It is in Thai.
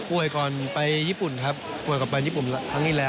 ก่อนไปญี่ปุ่นครับป่วยกลับไปญี่ปุ่นครั้งที่แล้ว